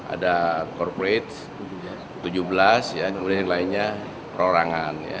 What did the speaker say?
ada corporate tujuh belas kemudian yang lainnya perorangan